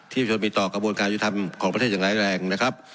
ประชนมีต่อกระบวนการยุทธรรมของประเทศอย่างร้ายแรงนะครับ